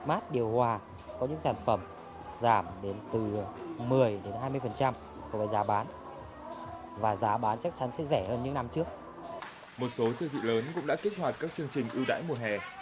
một số siêu thị lớn cũng đã kích hoạt các chương trình ưu đãi mùa hè